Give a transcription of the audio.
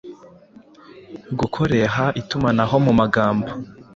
gukoreha itumanaho mu magambo